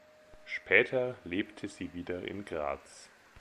Später lebte sie wieder in Graz.